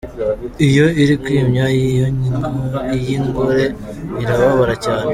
Iyo iri kwimya iy’ingore, irababara cyane.